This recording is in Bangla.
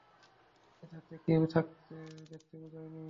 বেঁচে থাকতে কেউই দেখতেও যায়নি।